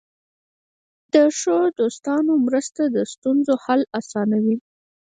د ښو دوستانو مرسته د ستونزو حل اسانوي.